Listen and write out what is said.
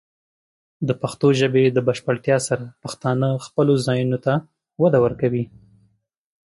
د پښتو ژبې د بشپړتیا سره، پښتانه خپلو ځایونو ته وده ورکوي.